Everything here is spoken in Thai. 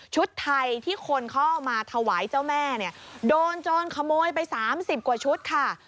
ไทยที่คนเขาเอามาถวายเจ้าแม่เนี่ยโดนโจรขโมยไป๓๐กว่าชุดค่ะ